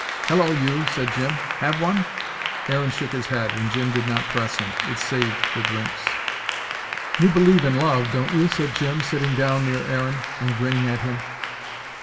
"Hello you!" said Jim. "Have one?" Aaron shook his head, and Jim did not press him. It saved the drinks. "You believe in love, don't you?" said Jim, sitting down near Aaron, and grinning at him.